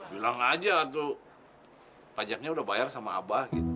bilang aja tuh pajaknya udah bayar sama abah gitu